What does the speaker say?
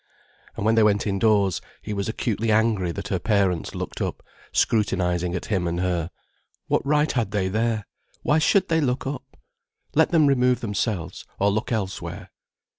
And when they went indoors, he was acutely angry that her parents looked up scrutinizing at him and her. What right had they there: why should they look up! Let them remove themselves, or look elsewhere.